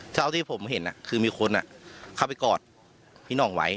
เท่าที่ผมเห็นคือมีคนเข้าไปกอดพี่หน่องไว้